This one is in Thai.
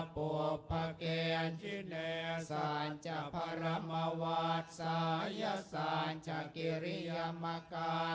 ปวพเกญชิเนสาชะพรมวาสายะสาชะกิริยามกา